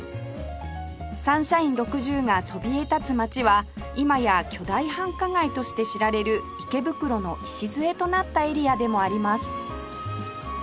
サンシャイン６０がそびえ立つ街は今や巨大繁華街として知られる池袋の礎となったエリアでもあります